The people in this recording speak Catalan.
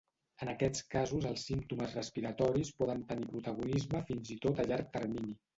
En aquests casos els símptomes respiratoris poden tenir protagonisme fins i tot a llarg termini.